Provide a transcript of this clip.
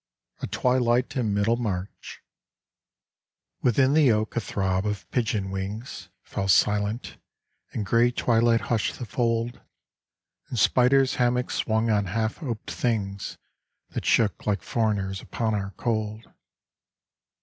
A TWILIGHT IN MIDDLE MARCH Within the oak a throb of pigeon wings Fell silent, and grey twilight hushed the fold, And spiders' hammocks swung on half oped things That shook like foreigners upon our cold.